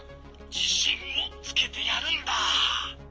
「じしんをつけてやるんだ」。